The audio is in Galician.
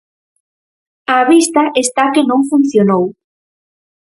Á vista está que non funcionou.